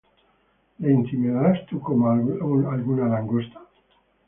¿Le intimidarás tú como á alguna langosta?